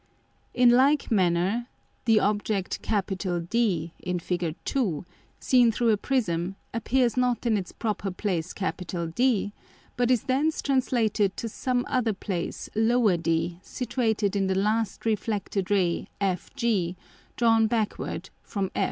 In like manner the Object D [in FIG. 2.] seen through a Prism, appears not in its proper place D, but is thence translated to some other place d situated in the last refracted Ray FG drawn backward from F to d.